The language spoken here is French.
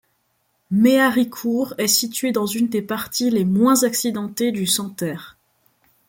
Méharicourt est située dans une des parties les moins accidentées du Santerre.